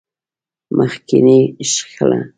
مخکينۍ شخړه.